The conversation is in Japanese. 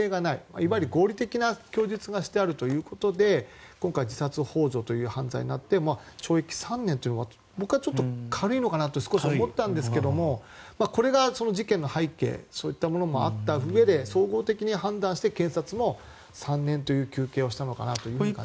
いわゆる合理的な供述がしてあるということで今回自殺ほう助という犯罪になって懲役３年というのは僕はちょっと軽いのかなと少し思ったんですけれどこれが事件の背景そういったものもあったうえで総合的に判断して検察も３年という求刑をしたのかなと感じますね。